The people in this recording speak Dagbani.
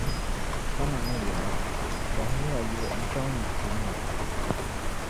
Ka naan yεra, daŋmi ya yibu n-chaŋ yi puuni.